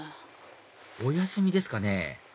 お休みですかね？